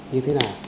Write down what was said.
như thế nào